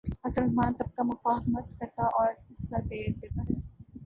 اکثر حکمران طبقہ مفاہمت کرتا اور حصہ دے دیتا ہے۔